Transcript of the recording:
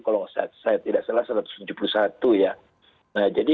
kalau saya tidak salah satu ratus tujuh puluh satu ya nah jadi